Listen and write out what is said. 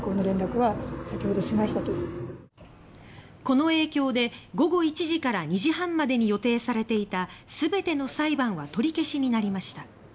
この影響で午後１時から２時半までに予定されていたすべての裁判は取り消しになりました。